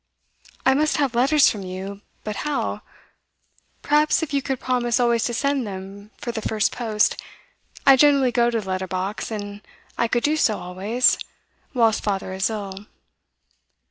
'I must have letters from you but how? Perhaps, if you could promise always to send them for the first post I generally go to the letter box, and I could do so always whilst father is ill.